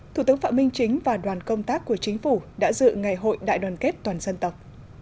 thủ tướng phạm minh chính và đoàn công tác của chính phủ đã dự ngày hội đại đoàn kết toàn dân tộc